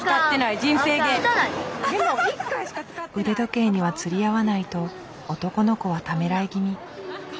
腕時計には釣り合わないと男の子はためらい気味。